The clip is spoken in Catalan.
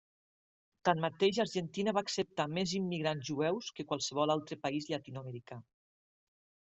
Tanmateix, Argentina va acceptar més immigrants jueus que qualsevol altre país llatinoamericà.